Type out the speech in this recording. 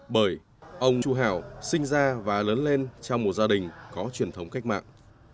bởi ông chu hảo sinh ra và lớn lên trong một gia đình có truyền thống cách mạng